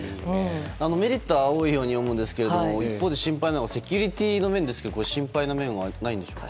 メリットは多いように思うんですが一方で心配なのがセキュリティーの面ですけど心配な面はないんでしょうか？